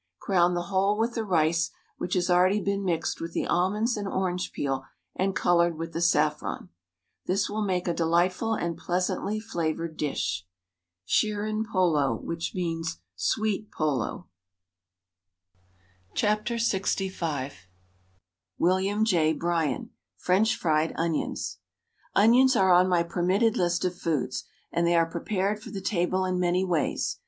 Crown the whole with the rice, which has already been mixed with the almonds and orange peel and colored with the saffron. This will make a delightful and pleasantly flavored dish — Chirin Polow, which means "sweet Polow." THE STAG COOK BOOK LXV W^illiam J. Bryan FRENCH FRIED ONIONS Onions are on my permitted list of foods and they are prepared for the table in many ways.